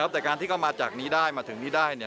แต่การที่เข้ามาจากนี้ได้มาถึงนี้ได้